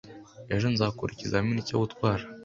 Ejo nzakora ikizamini cyo gutwara.